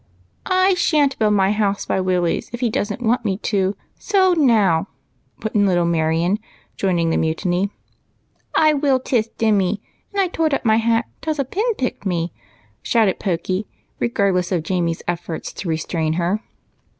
" I shanH build my house by Willie's if he don't want me to, so now !" put in little Marion, joining the mutiny. " I loill tiss Dimmy ! and I tored up my hat 'tause a pin picked me," shouted Pokey, regardless of Jamie's efforts to restrain her.